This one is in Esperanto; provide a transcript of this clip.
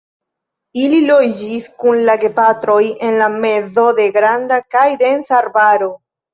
Ili loĝis kun la gepatroj en la mezo de granda kaj densa arbaro.